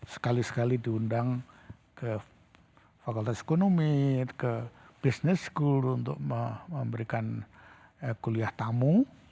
sekali sekali diundang ke fakultas ekonomi ke business school untuk memberikan kuliah tamu